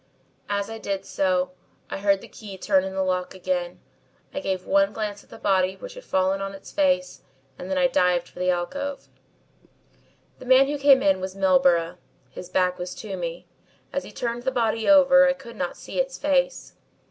"As I did so, I heard the key turn in the lock again. I gave one glance at the body which had fallen on its face and then I dived for the alcove. "The man who came in was Milburgh. His back was to me. As he turned the body over I could not see its face.